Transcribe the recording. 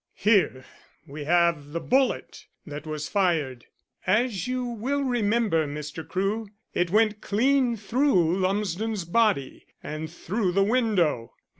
"Here we have the bullet that was fired. As you will remember, Mr. Crewe, it went clean through Lumsden's body, and through the window.